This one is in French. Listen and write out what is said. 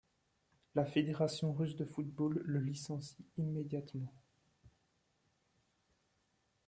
La fédération russe de football le licencie immédiatement.